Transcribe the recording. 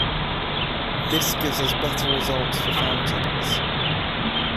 This gives better results for fountains.